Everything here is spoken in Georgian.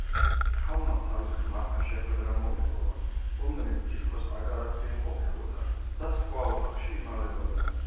ქალმა თავის ქმართან შეხვედრა მოითხოვა, რომელიც თითქოს აგარაკზე იმყოფებოდა და სხვა ოთახში იმალებოდა.